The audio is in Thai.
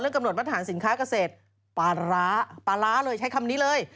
กำหนดมาตรฐานสินค้าเกษตรปลาร้าปลาร้าเลยใช้คำนี้เลย